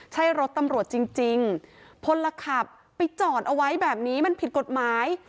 ใช่รถตำรวจจริงพลขับไปจอดเอาไว้แบบนี้มันผิดกฎหมาย